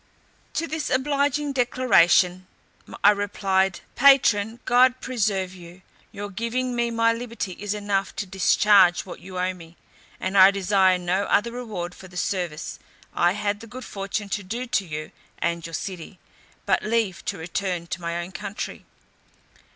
To this obliging declaration I replied, "Patron, God preserve you. Your giving me my liberty is enough to discharge what you owe me, and I desire no other reward for the service I had the good fortune to do to you and your city, but leave to return to my own country."